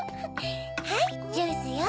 はいジュースよ。